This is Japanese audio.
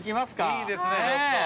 いいですね。